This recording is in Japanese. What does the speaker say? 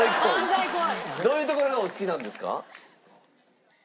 どういうところがお好きなんですか？